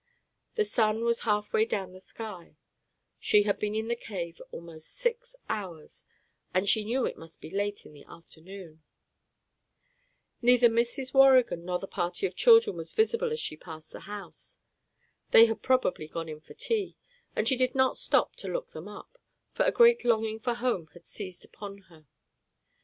The sun was half way down the sky; she had been in the cave almost six hours, and she knew it must be late in the afternoon. Neither Mrs. Waurigan nor the party of children was visible as she passed the house. They had probably gone in for tea, and she did not stop to look them up, for a great longing for home had seized upon her.